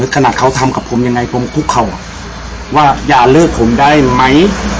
ขนาดเขาทำกับผมยังไงผมคุกเขาว่าอย่าเลิกผมได้ไหม